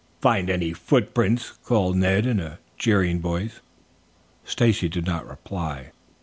"Find any footprints?" called Ned in a jeering voice. Stacy did not reply.